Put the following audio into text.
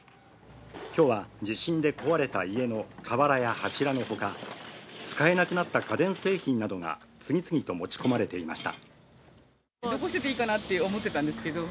今日は地震で壊れた家の瓦や柱のほか、使えなくなった家電製品などが次々と持ち込まれていました。